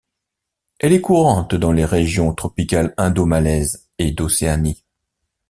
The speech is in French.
Elle est courante dans les régions tropicales indo-malaises et d'Océanie.